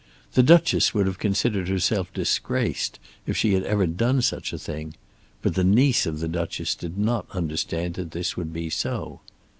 The Duchess would have considered herself disgraced if ever she had done such a thing; but the niece of the Duchess did not quite understand that this would be so.